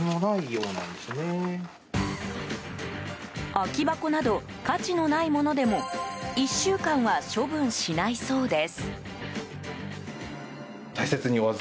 空き箱など価値のないものでも１週間は処分しないそうです。